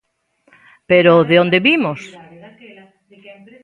Pero ¿de onde vimos?